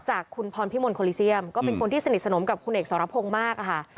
จากคุณพรพิมลโคลิเซียมก็เป็นคนที่สนิทสนมกับคุณเอกสรพงศ์มากอะค่ะ